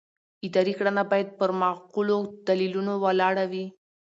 اداري کړنه باید پر معقولو دلیلونو ولاړه وي.